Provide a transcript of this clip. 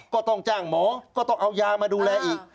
ก็ต้องจ้างหมอก็ต้องเอายามาดูแลอีก